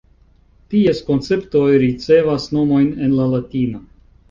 Ties konceptoj ricevas nomojn en la latina.